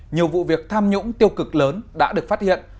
nhiều vụ việc tham nhũng tiêu cực lớn đã được phát hiện